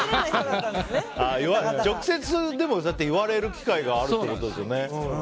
直接、そうやって言われる機会があるっていうことですよね。